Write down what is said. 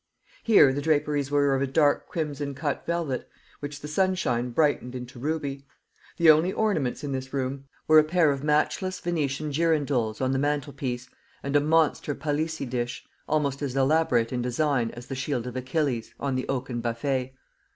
Here the draperies were of a dark crimson cut velvet, which the sunshine brightened into ruby. The only ornaments in this room were a pair of matchless Venetian girandoles on the mantelpiece, and a monster Palissy dish, almost as elaborate in design as the shield of Achilles, on the oaken buffet.